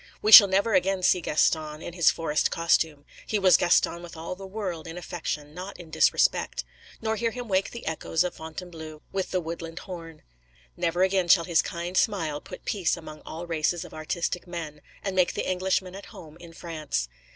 We shall never again see Gaston in his forest costume—he was Gaston with all the world, in affection, not in disrespect—nor hear him wake the echoes of Fontainebleau with the woodland horn. Never again shall his kind smile put peace among all races of artistic men, and make the Englishman at home in France.